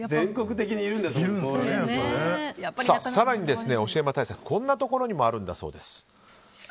更に教え魔対策こんなところにもあるんだそうです。